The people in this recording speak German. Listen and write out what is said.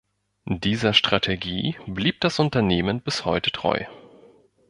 Dieser Strategie blieb das Unternehmen bis heute treu.